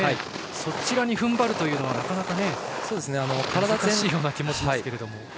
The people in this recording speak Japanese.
そちらに踏ん張るというのはなかなか難しい気もしますけども。